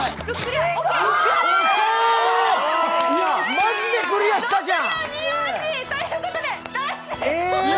マジでクリアしたじゃん。